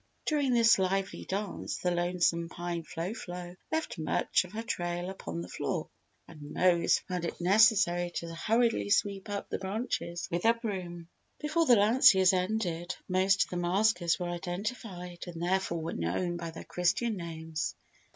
During this lively dance the Lonesome Pine Flo Flo left much of her Trail upon the floor and Mose found it necessary to hurriedly sweep up the branches with a broom. Before the lanciers ended most of the maskers were identified and therefore were known by their Christian names.